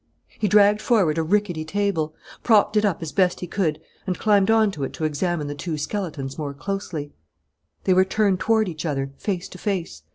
He dragged forward a rickety table, propped it up as best he could, and climbed onto it to examine the two skeletons more closely. They were turned toward each other, face to face.